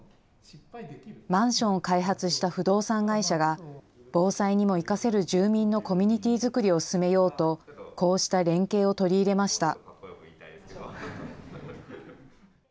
マンションを開発した不動産会社が、防災にも生かせる住民のコミュニティー作りを進めようと、こうした連携を取り入れました。